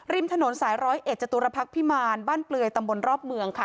ริมถนนสายร้อยเอ็ดจตุรพักษ์พิมารบ้านเปลือยตำบลรอบเมืองค่ะ